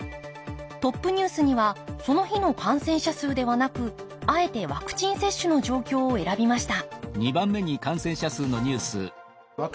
トップニュースにはその日の感染者数ではなくあえてワクチン接種の状況を選びました